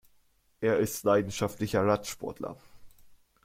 Er ist leidenschaftlicher Radsportler.